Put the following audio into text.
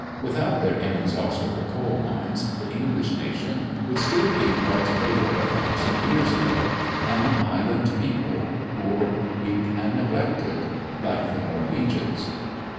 Without their inexhaustible coal mines, the English nation would still be what they were a thousand years ago, an island people poor, weak, and neglected, like the Norwegians.